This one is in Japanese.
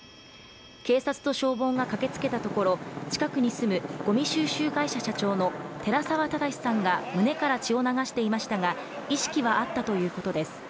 警察と消防が駆けつけたところ、近くに住むごみ収集会社社長の寺沢忠さんが胸から血を流していましたが、意識はあったということです。